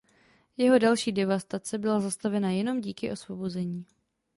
Jeho další devastace byla zastavena jenom díky osvobození.